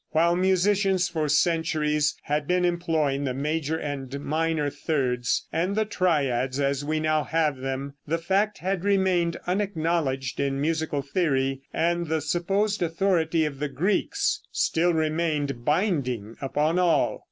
While musicians for centuries had been employing the major and minor thirds, and the triads as we now have them, the fact had remained unacknowledged in musical theory, and the supposed authority of the Greeks still remained binding upon all.